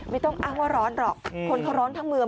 ไม่ต้องอ้างว่าร้อนหรอกคนเขาร้อนทั้งเมือง